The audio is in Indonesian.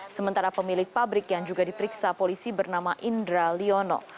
sementara pemilik pabrik yang juga diperiksa polisi bernama indra liono